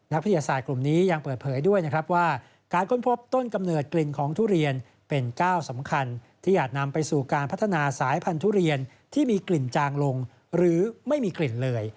วิทยาศาสตร์กลุ่มนี้ยังเปิดเผยด้วยนะครับว่าการค้นพบต้นกำเนิดกลิ่นของทุเรียนเป็นก้าวสำคัญที่อาจนำไปสู่การพัฒนาสายพันธุเรียนที่มีกลิ่นจางลงหรือไม่มีกลิ่นเลย